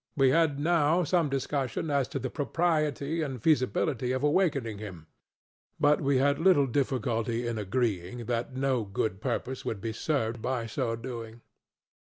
We had now some discussion as to the propriety and feasibility of awakening him; but we had little difficulty in agreeing that no good purpose would be served by so doing.